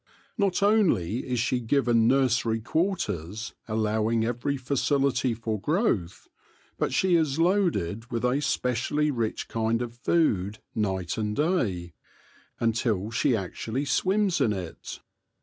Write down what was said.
Not only is she given nursery quarters allowing every facility for growth, but she is loaded with a specially rich kind of food night and day, until she actually swims in it.